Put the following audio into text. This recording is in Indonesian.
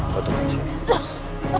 kau tinggal disini